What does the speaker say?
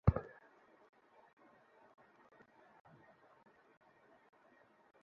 কিন্তু টাকা পরে দিবো।